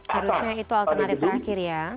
harusnya itu alternatif terakhir ya